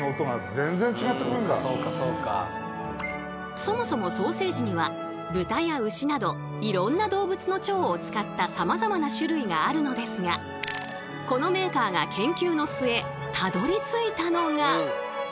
そもそもソーセージには豚や牛などいろんな動物の腸を使ったさまざまな種類があるのですがこのメーカーが研究の末たどりついたのが。